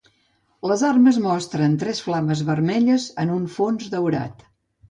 Les armes mostren tres flames vermelles en un fons daurat.